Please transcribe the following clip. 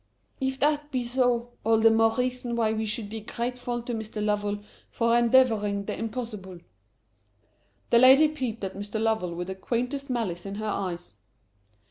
"If that be so, all the more reason why we should be grateful to Mr. Lovell for endeavouring the impossible." The lady peeped at Mr. Lovell with the quaintest malice in her eyes.